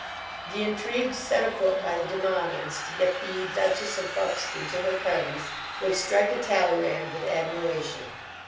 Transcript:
The intrigues set afoot by the De Mogyns to get the Duchess of Buckskin to her parties, would strike a Talleyrand with admiration.